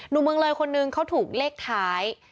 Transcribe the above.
เมืองเลยคนนึงเขาถูกเลขท้าย